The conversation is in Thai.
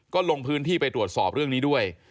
ก็ลงพื้นที่ไปตรวจสอบเรื่องนี้ด้วย